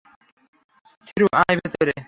থিরু, আয় ভেতরে।